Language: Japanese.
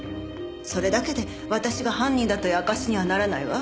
それだけで私が犯人だという証しにはならないわ。